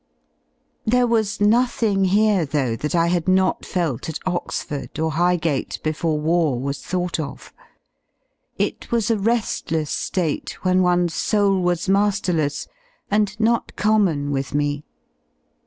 1 There was nothing here though that I had not felt at Oxford or Highgate before war was thought of; it was a re^less ^te, when one's soul was ma^erless, and not common with me.